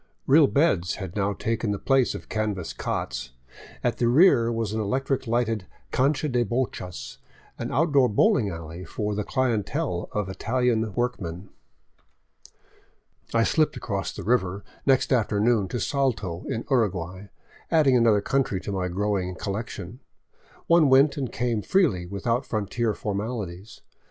Real beds had now taken the place of canvas cots; at the rear was an electric lighted cancha de bochas, or outdoor bowling alley for the clientele of Italian workmen. I slipped across the river next afternoon to Salto, in Uruguay, add ing another country to my growing collection. One went and came freely, without frontier formalities.